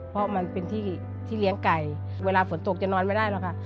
เพราะมันเป็นที่ที่เลี้ยงไก่เวลาฝนตกจะนอนไม่ได้หรอกค่ะ